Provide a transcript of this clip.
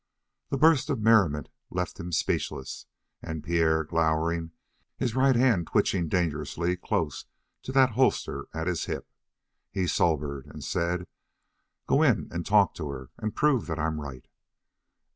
The burst of merriment left him speechless, and Pierre, glowering, his right hand twitching dangerously close to that holster at his hip. He sobered, and said: "Go in and talk to her and prove that I'm right."